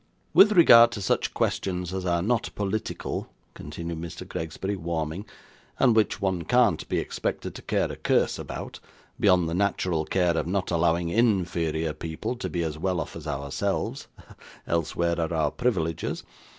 'With regard to such questions as are not political,' continued Mr Gregsbury, warming; 'and which one can't be expected to care a curse about, beyond the natural care of not allowing inferior people to be as well off as ourselves else where are our privileges?